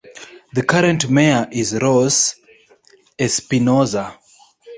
The current Mayor is Rose Espinoza.